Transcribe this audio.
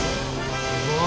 すごい！